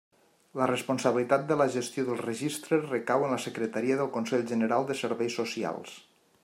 La responsabilitat de la gestió del registre recau en la secretaria del Consell General de Serveis Socials.